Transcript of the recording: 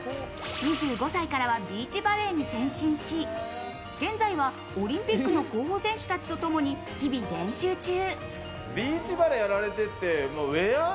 ２５歳からはビーチバレーに転身し、現在はオリンピックの候補選手たちとともに日々練習中。